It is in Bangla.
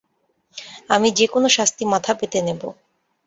আমি যেকোনো শাস্তি মাথা পেতে নেব।